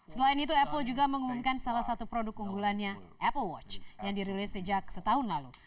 selain itu apple juga mengumumkan salah satu produk unggulannya apple watch yang dirilis sejak setahun lalu